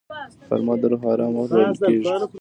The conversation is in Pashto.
غرمه د روح آرام وخت بلل کېږي